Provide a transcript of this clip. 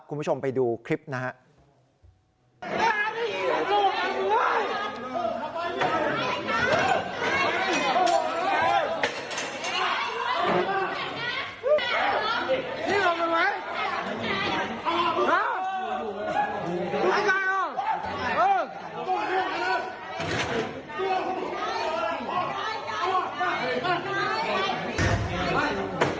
คุณผู้ชมไปดูคลิปนะครับ